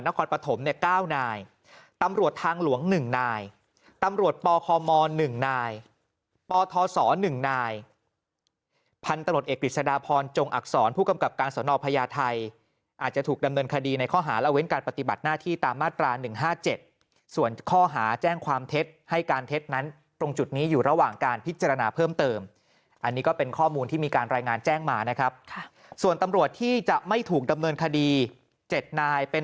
ในปริศนาภรณ์จงอักษรผู้กำกับการสนพญาไทยอาจจะถูกดำเนินคดีในข้อหาระเว้นการปฏิบัติหน้าที่ตามมาตรา๑๕๗ส่วนข้อหาแจ้งความเท็จให้การเท็จนั้นตรงจุดนี้อยู่ระหว่างการพิจารณาเพิ่มเติมอันนี้ก็เป็นข้อมูลที่มีการรายงานแจ้งมานะครับส่วนตำรวจที่จะไม่ถูกดำเนินคดี๗นายเป็น